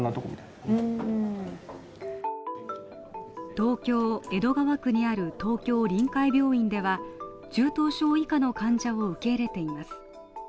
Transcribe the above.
東京江戸川区にある東京臨海病院では、中等症以下の患者を受け入れています。